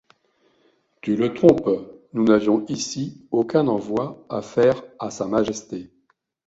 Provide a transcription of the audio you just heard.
Tu le trompes, nous n'avions ici aucun envoi à faire à Sa Majesté.